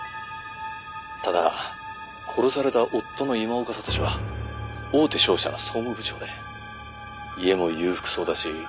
「ただ殺された夫の今岡智司は大手商社の総務部長で家も裕福そうだし」